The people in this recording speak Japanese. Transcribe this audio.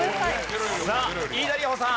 さあ飯田里穂さん。